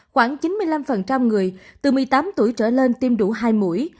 khoảng chín mươi năm người từ một mươi tám tuổi trở lên tiêm đủ hai mũi